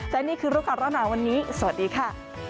และนี่คือลูกค้าแล้วนะวันนี้สวัสดีค่ะ